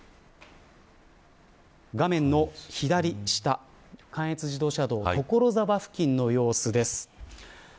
続いては、関越自動車道所沢付近の様子です。